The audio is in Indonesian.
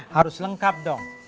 harus lengkap dong